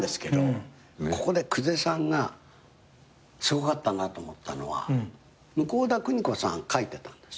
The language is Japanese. ここで久世さんがすごかったなと思ったのは向田邦子さん書いてたんです。